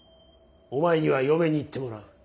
お前には嫁に行ってもらう。